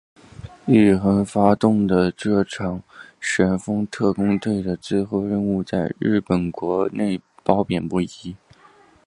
宇垣发起的这场神风特攻队的最后任务在日本国内褒贬不一。